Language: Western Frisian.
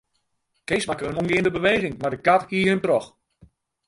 Kees makke in omgeande beweging, mar de kat hie him troch.